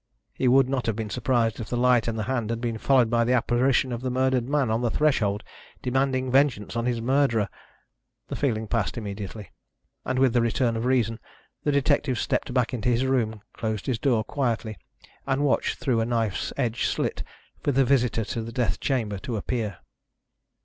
He would not have been surprised if the light and the hand had been followed by the apparition of the murdered man on the threshold, demanding vengeance on his murderer. The feeling passed immediately, and with the return of reason the detective stepped back into his room, closed his door quietly, and watched through a knife's edge slit for the visitor to the death chamber to appear.